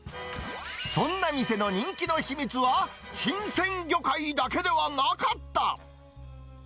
そんな店の人気の秘密は、新鮮魚介だけではなかった。